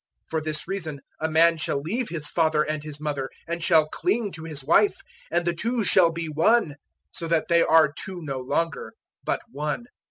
010:007 For this reason a man shall leave his father and his mother, and shall cling to his wife, 010:008 and the two shall be one'; so that they are two no longer, but 'one.'